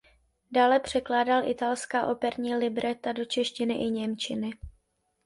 Dále překládal italská operní libreta do češtiny i němčiny.